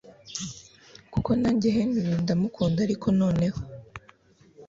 kuko najye Henry ndamukunda ariko noneho